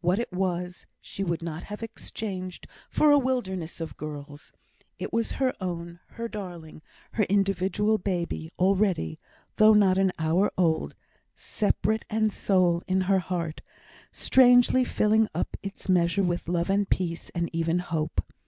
What it was, she would not have exchanged for a wilderness of girls. It was her own, her darling, her individual baby, already, though not an hour old, separate and sole in her heart, strangely filling up its measure with love and peace, and even hope.